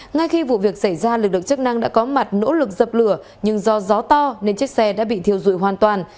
ngay khi vụ việc xảy ra lực lượng chức năng đã có mặt nỗ lực dập lửa nhưng do gió to nên chiếc xe đã bị thiêu dụi hoàn toàn